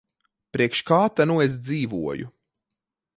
Priekš kā ta nu es dzīvoju.